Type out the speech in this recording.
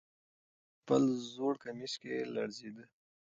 خیر محمد په خپل زوړ کمیس کې لړزېده.